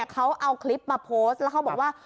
เขาเอาคลิปมาโพสต์แล้วเขาบอกว่า